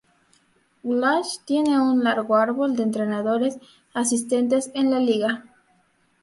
Walsh tiene un largo árbol de entrenadores asistentes en la liga.